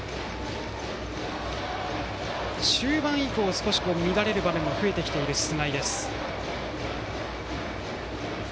中盤以降、少し乱れる場面が増えてきている菅井。